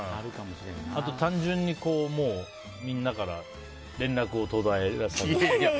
あと、単純にみんなから連絡を途絶えられて。